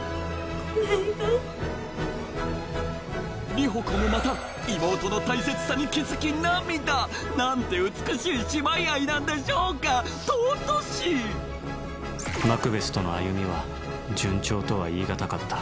里穂子もまた妹の大切さに気付き涙何て美しい姉妹愛なんでしょうか尊しマクベスとの歩みは順調とは言い難かった。